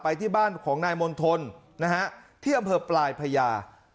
ที่บ้านของนายมณฑลนะฮะที่อำเภอปลายพญา